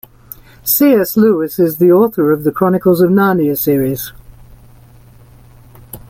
C.S. Lewis is the author of The Chronicles of Narnia series.